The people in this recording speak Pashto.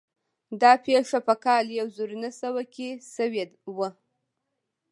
دا پېښه په کال يو زر و نهه سوه کې شوې وه.